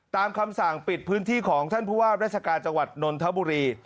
คำสั่งปิดพื้นที่ของท่านผู้ว่าราชการจังหวัดนนทบุรี